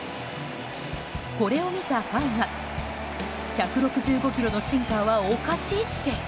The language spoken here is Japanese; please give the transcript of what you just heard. これを見たファンは１６５キロのシンカーはおかしいって。